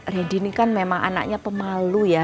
ready ini kan memang anaknya pemalu ya